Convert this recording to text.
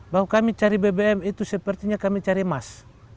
bahwa kami cari bbm itu sepertinya kami cari emas